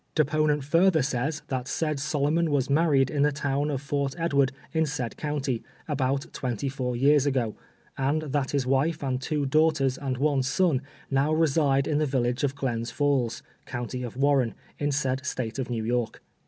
Deponent further says, that said Sol omon was married in the town of Fort Edward, in said county, about twenty four years ag(>, and that his wife and two daugh ters and one son now reside in the village of Glens Falls, coun ty of Warren, in said State of New York.